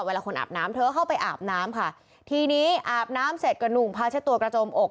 เวลาคนอาบน้ำเธอเข้าไปอาบน้ำค่ะทีนี้อาบน้ำเสร็จก็หนุ่มพาเช็ดตัวกระจมอก